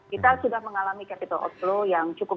kita sudah mengalami capital outflow